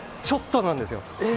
ちょっとなんですよ。